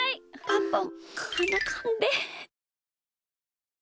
パパはなかんで。